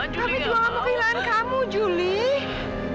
tapi aku gak mau kehilangan kamu julie